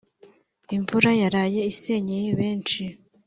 Imvura yaraye isenyeye benshi